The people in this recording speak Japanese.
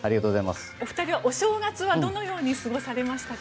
お二人はお正月はどのように過ごされましたか？